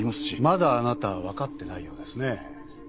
まだあなたは分かってないようですね。